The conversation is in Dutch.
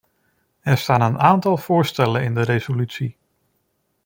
Er staan een aantal voorstellen in de resolutie.